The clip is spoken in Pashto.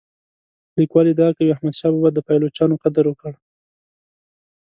لیکوال ادعا کوي احمد شاه بابا د پایلوچانو قدر وکړ.